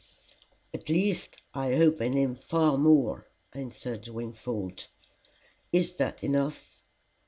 "At least I hope in him far more," answered Wingfold. "Is that enough?"